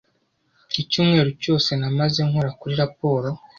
Icyumweru cyose namaze nkora kuri raporo.